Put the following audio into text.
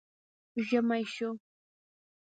ژمی شو